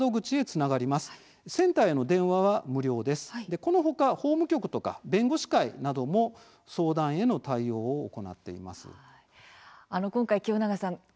この他、法務局とか弁護士会なども相談への対応を行っています。